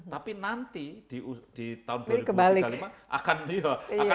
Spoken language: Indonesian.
tapi nanti di tahun dua ribu tiga puluh lima akan naik